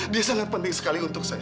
dia sangat penting sekali untuk saya